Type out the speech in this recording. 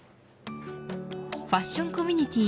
ファッションコミュニティー